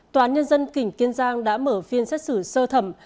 tòa án nhân dân tỉnh kiên giang đã mở phiên xét xử sơ thẩm